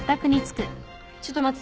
ちょっと待ってて。